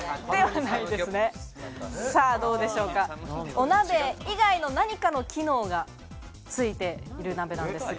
お鍋以外の何かの機能がついている鍋なんですが。